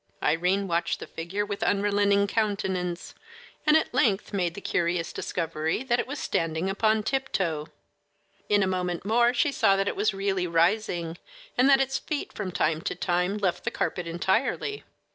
Irene watched the figure with unrelenting countenance, and at length made the curious discovery that it was standing upon tiptoe. In a moment more she saw that it was really rising, and that its feet from time to time left the carpet entirely.